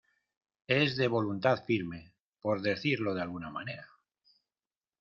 es de voluntad firme. por decirlo de alguna manera .